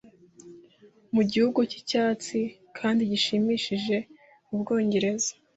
Mu gihugu cyicyatsi kandi gishimishije mu Bwongereza